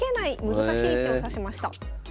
難しい手を指しました。